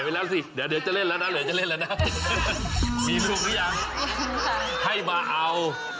ไว้แล้วสิเดี๋ยวจะเล่นแล้วเป็นการให้มาเข้า